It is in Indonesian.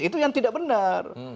itu yang tidak benar